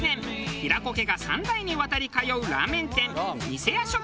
平子家が３代にわたり通うラーメン店。